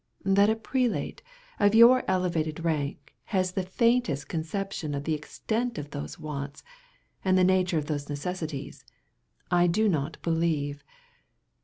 That a Prelate of your elevated rank has the faintest conception of the extent of those wants, and the nature of those necessities, I do not believe.